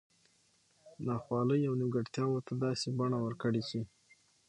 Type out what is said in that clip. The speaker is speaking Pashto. نا خوالي او نیمګړتیاوو ته داسي بڼه ورکړي چې